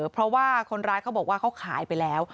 เพราะว่าคนร้ายเขาบอกว่าเขาขายไปแล้ว